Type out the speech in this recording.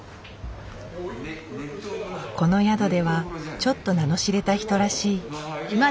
この宿ではちょっと名の知れた人らしい。